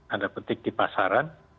anda petik di pasaran